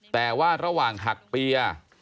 แต่ว่าระหว่างหักเปียร์